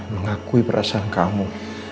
mengakui perasaan kamu